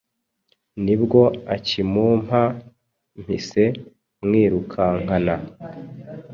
nibwo akimumpa, mpise mwirukankana